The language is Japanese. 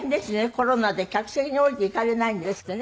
コロナで客席に下りていかれないんですってね。